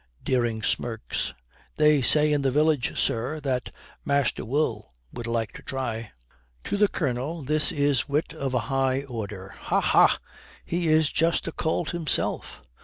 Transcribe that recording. Dering smirks. 'They say in the village, sir, that Master Will would like to try.' To the Colonel this is wit of a high order. 'Ha! ha! he is just a colt himself.'